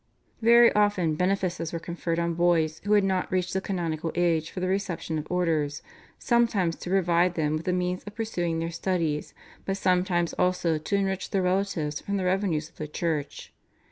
Very often benefices were conferred on boys who had not reached the canonical age for the reception of orders, sometimes to provide them with the means of pursuing their studies, but sometimes also to enrich their relatives from the revenues of the Church.